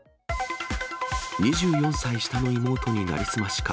２４歳下の妹に成り済ましか。